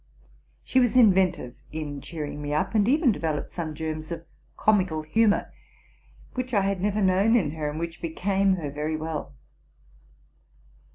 She was inven tive in cheering me up, and even dev eloped some germs of comical humor which I had never known in her, and which became her very well.